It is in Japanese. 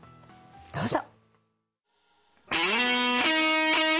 どうぞ。